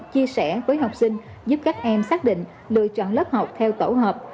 chia sẻ với học sinh giúp các em xác định lựa chọn lớp học theo tổ hợp